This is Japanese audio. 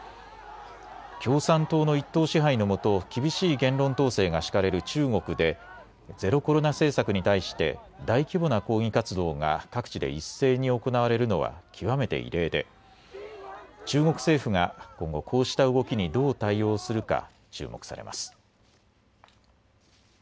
共産党の一党支配のもと厳しい言論統制が敷かれる中国でゼロコロナ政策に対して大規模な抗議活動が各地で一斉に行われるのは極めて異例で中国政府が今後、こうした動きにどう対応するか注目されます。